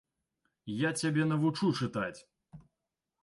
Я цябе навучу чытаць.